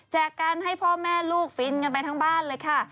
กันให้พ่อแม่ลูกฟินกันไปทั้งบ้านเลยค่ะ